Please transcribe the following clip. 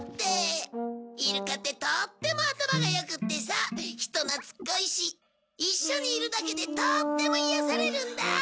イルカってとっても頭が良くってさ人懐っこいし一緒にいるだけでとっても癒やされるんだ。